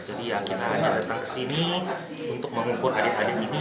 ya kita hanya datang ke sini untuk mengukur adik adik ini